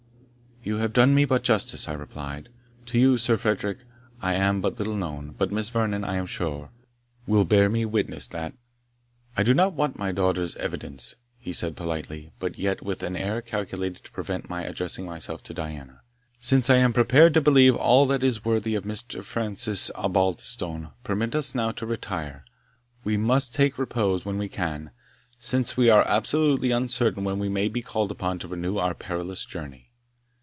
"You have done me but justice," I replied. "To you, Sir Frederick, I am but little known; but Miss Vernon, I am sure, will bear me witness that" "I do not want my daughter's evidence," he said, politely, but yet with an air calculated to prevent my addressing myself to Diana, "since I am prepared to believe all that is worthy of Mr. Francis Osbaldistone. Permit us now to retire; we must take repose when we can, since we are absolutely uncertain when we may be called upon to renew our perilous journey."